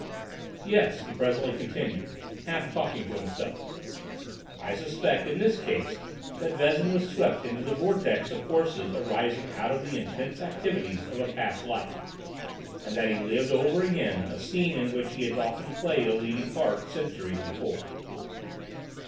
"Yes," he presently continued, half talking to himself, "I suspect in this case that Vezin was swept into the vortex of forces arising out of the intense activities of a past life, and that he lived over again a scene in which he had often played a leading part centuries before.